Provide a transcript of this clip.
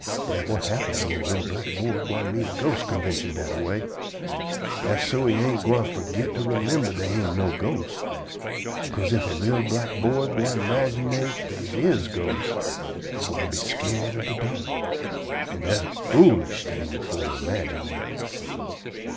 Dat whut happen whin a li'l black boy gwine meet a ghost convintion dat a way. Dat's so he ain't gwine fergit to remimber dey ain't no ghosts. 'Ca'se ef a li'l black boy gwine imaginate dey is ghostes, he gwine be skeered in de dark. An' dat a foolish thing for to imaginate.